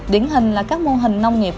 điển hình là các mô hình nông nghiệp